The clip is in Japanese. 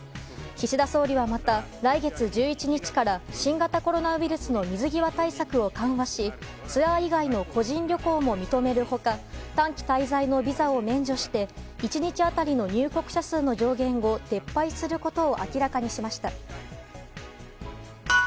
岸田総理は、また来月１１日から新型コロナウイルスの水際対策を緩和しツアー以外の個人旅行も認める他短期滞在のビザを免除して１日当たりの入国者数の上限を撤廃することを明らかにしました。